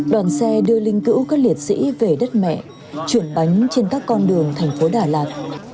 đoàn xe đưa linh cữu các liệt sĩ về đất mẹ chuyển bánh trên các con đường thành phố đà lạt